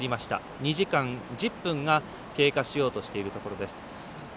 ２時間１０分が経過しようとしているところです。